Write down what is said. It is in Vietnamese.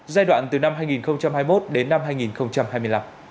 giai đoạn từ năm hai nghìn hai mươi một đến năm hai nghìn hai mươi năm